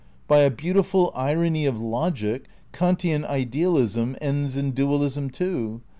By a beautiful irony of logic, Kantian idealism ends in dual ism, too.